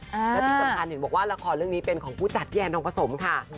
แล้วที่สำคัญเห็นบอกว่าละครเรื่องนี้เป็นของผู้จัดพี่แอนทองผสมค่ะ